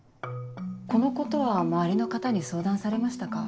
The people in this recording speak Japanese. このことは周りの方に相談されましたか？